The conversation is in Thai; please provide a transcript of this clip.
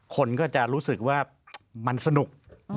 คนก็จะรู้สึกว่ามันสนุก